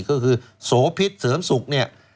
ก็คือโสพิษเสริมสุขเนี่ย